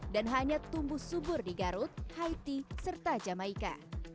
dan hanya tumbuh subur di garut haiti serta jamaika